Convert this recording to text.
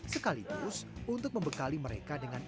sekaligus untuk membekali mereka dengan